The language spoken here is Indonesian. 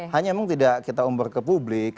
hanya emang tidak kita umber ke publik